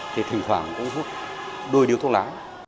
thì thỉnh thoảng cũng thuốc đôi điếu thuốc lá